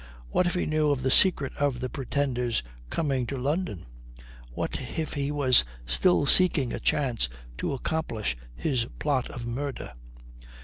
What if he knew of the secret of the Pretender's coming to London? What if he was still seeking a chance to accomplish his plot of murder?